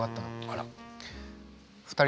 あら。